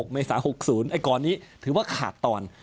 เมษา๖๐ไอ้กรนี้ถือว่าขาดตอน